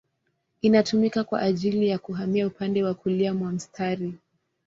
Inatumika kwa ajili ya kuhamia upande wa kulia mwa mstari.